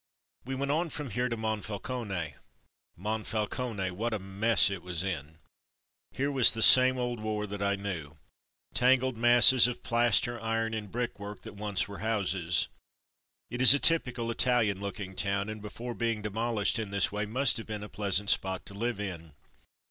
We went on from here to Monfalcone. Monfalcone — ^what a mess it was in! Here was the same old war that I knew. Tangled masses of plaster, iron, and brick work that once were houses. It is a typical Italian looking town, and before being demolished in this way must have been a pleasant spot to live in.